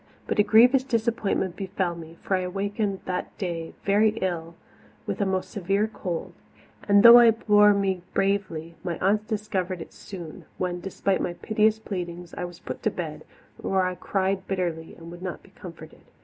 But a grievous disappointment befell me, for I awakened that day very ill with a most severe cold; and though I bore me bravely, my aunts discovered it soon, when, despite my piteous pleadings, I was put to bed, where I cried bitterly and would not be comforted.